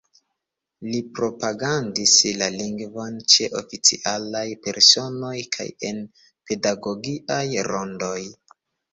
Li propagandis la lingvon ĉe oficialaj personoj kaj en pedagogiaj rondoj.